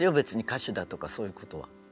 歌手だとかそういうことは。